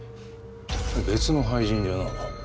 別の俳人じゃな。